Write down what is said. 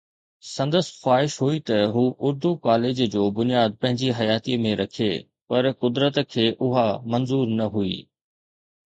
سندس خواهش هئي ته هو اردو ڪاليج جو بنياد پنهنجي حياتيءَ ۾ رکي، پر قدرت کي اها منظور نه هئي